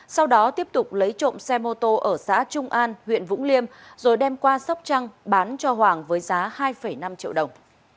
sau đó tiếp tục lấy trộm xe mô tô ở xã trung an huyện vũng liêm rồi đem qua sóc trăng bán cho hoàng với giá hai năm triệu đồng